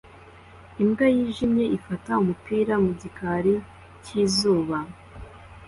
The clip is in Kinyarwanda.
Imbwa yijimye ifata umupira mu gikari cyizuba